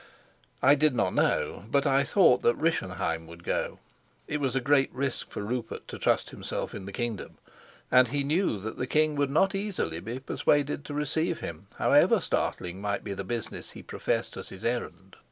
I did not know, but I thought that Rischenheim would go. It was a great risk for Rupert to trust himself in the kingdom, and he knew that the king would not easily be persuaded to receive him, however startling might be the business he professed as his errand.